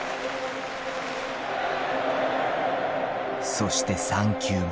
そして３球目。